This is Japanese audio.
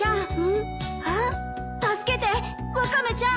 んっ？えっ？・助けてワカメちゃん。